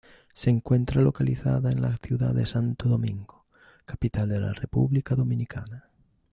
Se encuentra localizada en la ciudad de Santo Domingo, capital de la República Dominicana.